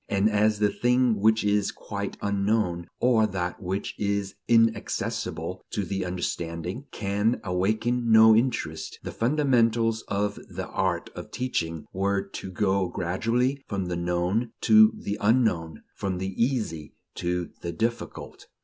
And as the thing which is quite unknown, or that which is inaccessible to the understanding, can awaken no interest, the fundamentals of the art of teaching were to go gradually from the known to the unknown, from the easy to the difficult.